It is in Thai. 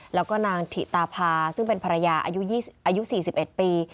แล้วก็นางถิตาพาซึ่งเป็นภรรยาอายุ๔๑ปี